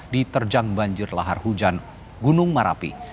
di terjang banjir lahar hujan gunung marapi